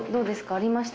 ありました？